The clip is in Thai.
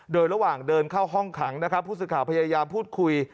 โดยระหว่างเดินเข้าห้องขังนะครับผู้สื่อข่าวพยายามพูดคุย